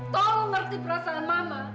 tolong ngerti perasaan mama